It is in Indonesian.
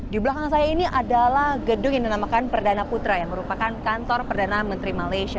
di belakang saya ini adalah gedung yang dinamakan perdana putra yang merupakan kantor perdana menteri malaysia